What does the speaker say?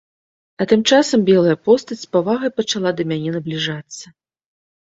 А тым часам белая постаць з павагай пачала да мяне набліжацца.